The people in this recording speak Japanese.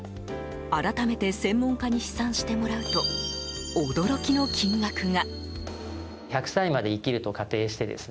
改めて専門家に試算してもらうと驚きの金額が。